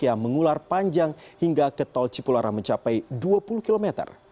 yang mengular panjang hingga ke tol cipularang mencapai dua puluh km